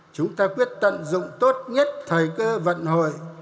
chúng ta quyết tận dụng tốt nhất thời cơ vận hội